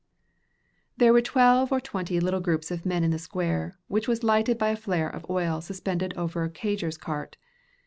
There were twelve or twenty little groups of men in the square, which was lighted by a flare of oil suspended over a cadger's cart.